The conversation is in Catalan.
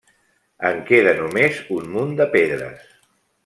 En queda només un munt de pedres.